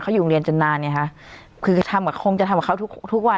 เขาอยู่โรงเรียนจนนานไงคะคือทำกับคงจะทำกับเขาทุกทุกวัน